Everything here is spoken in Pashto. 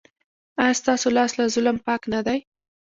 ایا ستاسو لاس له ظلم پاک نه دی؟